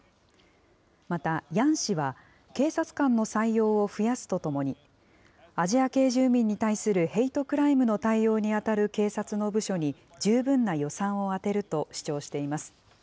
またヤン氏は、警察官の採用を増やすとともに、アジア系住民に対するヘイトクライムの対応に当たる警察の部署に十分な予算を充てると主張しています。